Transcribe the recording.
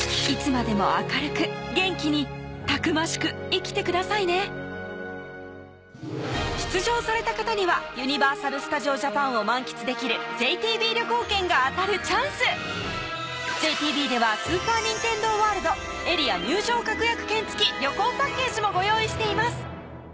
いつまでも明るく元気にたくましく生きてくださいね出場された方にはユニバーサル・スタジオ・ジャパンを満喫できるＪＴＢ旅行券が当たるチャンスＪＴＢではスーパー・ニンテンドー・ワールドエリア入場確約券付き旅行パッケージもご用意しています